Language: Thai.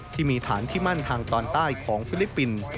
ที่มีฐานที่มั่นทางตอนใต้ของฟิลิปปินส์